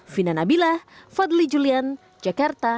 fina nabilah fadli julian jakarta